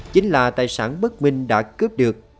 chính là tài sản bất minh đã cướp được